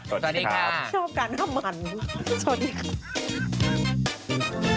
ชอบการทำหันมากสวัสดีครับ